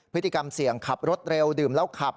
พฤติกรรมเสี่ยงขับรถเร็วดื่มแล้วขับ